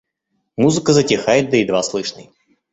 Музыка затихает до едва слышной.